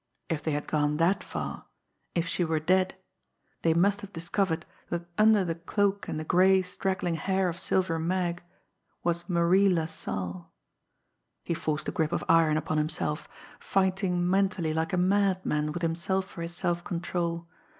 If they had gone that far, if she were dead, they must have discovered that under the cloak and the gray, straggling hair of Silver Mag was Marie LaSalle. He forced a grip of iron upon himself, fighting mentally like a madman with himself for his self control.